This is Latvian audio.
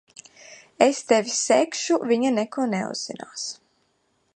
Es tevi segšu. Viņa neko neuzzinās.